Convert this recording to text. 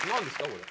これ。